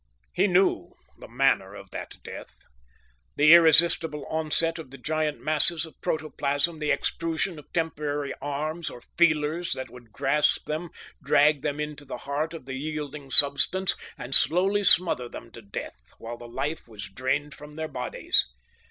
He knew the manner of that death. The irresistible onset of the giant masses of protoplasm, the extrusion of temporary arms, or feelers, that would grasp them, drag them into the heart of the yielding substance, and slowly smother them to death while the life was drained from their bodies.